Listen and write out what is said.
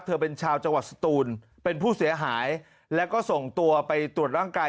เป็นชาวจังหวัดสตูนเป็นผู้เสียหายแล้วก็ส่งตัวไปตรวจร่างกาย